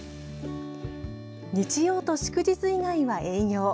日曜と祝日以外は営業。